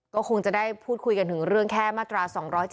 ก็คงจะได้พูดคุยกันถึงเรื่องแค่มาตรา๒๗